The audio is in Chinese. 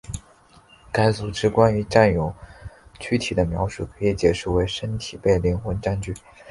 该组织关于占有躯体的描述可以解释为身体被灵魂占据。